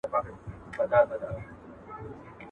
کښتۍ وان ویل مُلا لامبو دي زده ده؟.